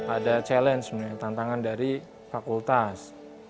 ada challenge sebenarnya tantangan dari fakultas